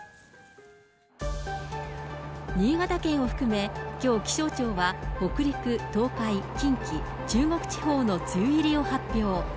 新潟県を含め、きょう気象庁は、北陸、東海、近畿、中国地方の梅雨入りを発表。